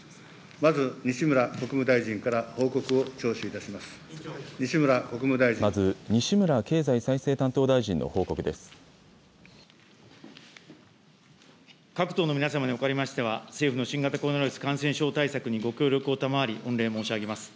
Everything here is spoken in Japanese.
まず西村経済再生担当大臣の各党の皆様におかれましては、政府の新型コロナウイルス感染症対策にご協力を賜り、御礼申し上げます。